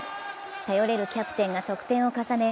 頼れるキャプテンが得点を重ね